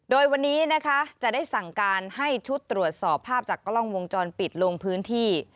โดยวันนี้นะคะจะได้สั่งการให้ชุดตรวจสอบภาพจากกล้องวงจรปิดลงพื้นที่